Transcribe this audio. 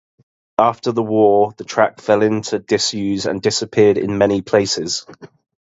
After the war, the track fell into disuse and disappeared in many places.